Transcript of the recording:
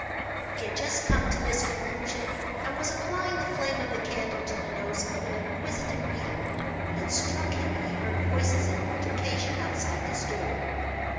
He had just come to this conclusion, and was applying the flame of the candle to the nose of an inquisitive beetle, when it struck him he heard voices in altercation outside his door.